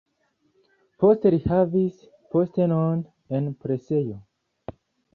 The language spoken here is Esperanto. Poste li havis postenon en presejo.